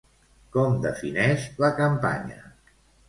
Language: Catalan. Com defineix la campanya?